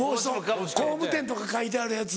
「工務店」とか書いてあるやつ。